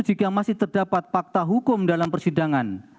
jika masih terdapat fakta hukum dalam persidangan